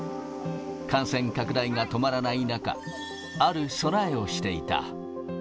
感染拡大が止まらない中、ある備えをしていた。